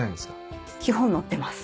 基本載ってます。